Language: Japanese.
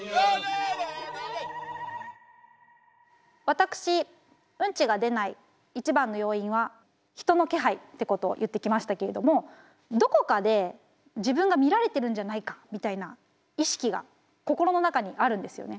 私うんちが出ない一番の要因は人の気配ってこと言ってきましたけれどもどこかで自分が見られてるんじゃないかみたいな意識が心の中にあるんですよね。